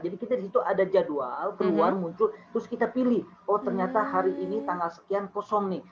jadi kita di situ ada jadwal keluar muncul terus kita pilih oh ternyata hari ini tanggal sekian kosong nih